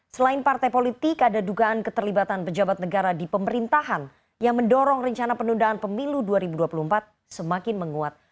selain partai politik ada dugaan keterlibatan pejabat negara di pemerintahan yang mendorong rencana penundaan pemilu dua ribu dua puluh empat semakin menguat